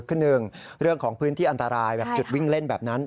คือหนึ่งเรื่องของพื้นที่อันตรายแบบจุดวิ่งเล่นแบบนั้น